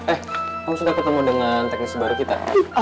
eh kamu sudah ketemu dengan teknis baru kita